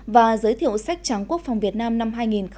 và giới thiệu sách trắng quốc phòng việt nam năm hai nghìn một mươi chín